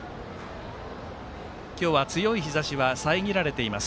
今日は強い日ざしは遮られています。